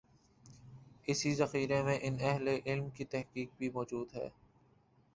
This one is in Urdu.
اسی ذخیرے میں ان اہل علم کی تحقیق بھی موجود ہے۔